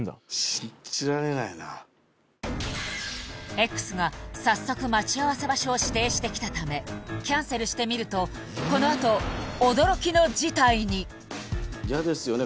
これＸが早速待ち合わせ場所を指定してきたためキャンセルしてみると嫌ですよね